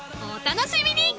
［お楽しみに！］